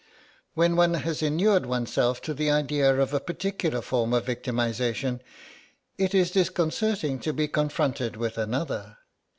When one has inured oneself to the idea of a particular form of victimisation it is disconcerting to be confronted with another.